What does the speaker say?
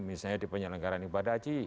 misalnya di penyelenggaran ibadah